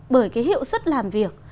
bởi cái hiệu suất làm việc